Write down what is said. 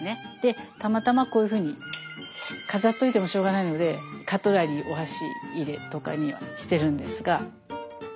たまたまこういうふうに飾っておいてもしょうがないのでカトラリーお箸入れとかにはしてるんですが。